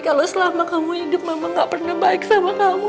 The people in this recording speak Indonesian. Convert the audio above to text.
kalau selama kamu hidup mama gak pernah baik sama kamu